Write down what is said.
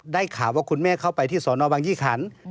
ได้ข่าวว่าคุณแม่เข้าไปที่สอนอบางยี่ขัน